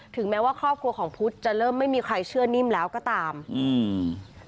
แม้ว่าครอบครัวของพุทธจะเริ่มไม่มีใครเชื่อนิ่มแล้วก็ตามอืม